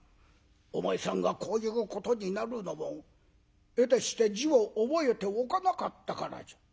お前さんがこういうことになるのもえてして字を覚えておかなかったからじゃ」。